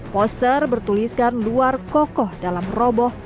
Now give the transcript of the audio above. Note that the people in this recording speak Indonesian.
poster bertuliskan luar kokoh dalam roboh